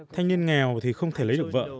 thanh niên nghèo thì không thể lấy được vợ